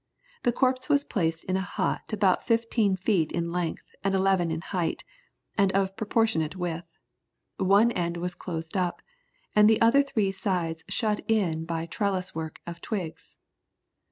The corpse was placed in a hut about fifteen feet in length, and eleven in height, and of proportionate width. One end was closed up, and the three other sides shut in by trellis work of twigs.